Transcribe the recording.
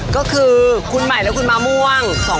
ก็คือคุณใหม่และคุณมะม่วง